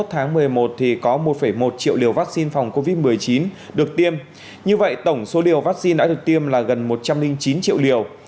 hai mươi tháng một mươi một thì có một một triệu liều vaccine phòng covid một mươi chín được tiêm như vậy tổng số liều vaccine đã được tiêm là gần một trăm linh chín triệu liều